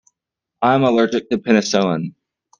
I am allergic to penicillin.